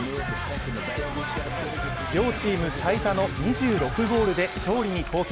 両チーム最多の２６ゴールで勝利に貢献。